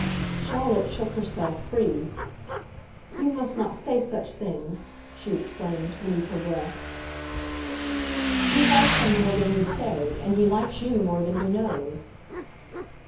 Charlotte shook herself free. "You must not say such things!" she exclaimed, beneath her breath. "You like him more than you say, and he likes you more than he knows."